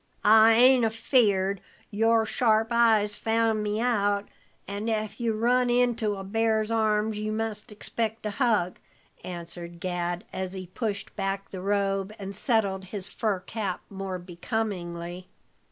"I ain't afeared; your sharp eyes found me out; and ef you run into a bear's arms you must expect a hug," answered Gad, as he pushed back the robe and settled his fur cap more becomingly.